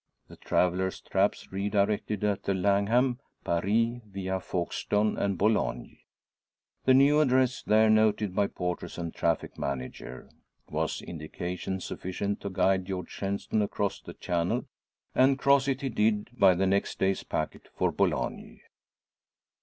The traveller's traps re directed at the Langham "Paris via Folkestone and Boulogne" the new address there noted by porters and traffic manager was indication sufficient to guide George Shenstone across the Channel; and cross it he did by the next day's packet for Boulogne.